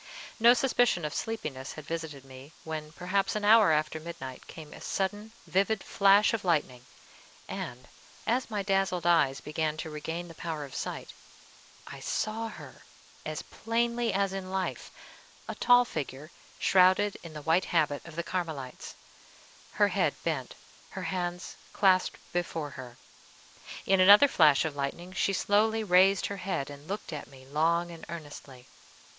No suspicion of sleepiness had visited me, when, perhaps an hour after midnight, came a sudden vivid flash of lightning, and, as my dazzled eyes began to regain the power of sight, I saw her as plainly as in life, a tall figure, shrouded in the white habit of the Carmelites, her head bent, her hands clasped before her. In another flash of lightning she slowly raised her head and looked at me long and earnestly.